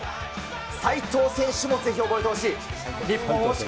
齋藤選手もぜひ覚えておいてほしい。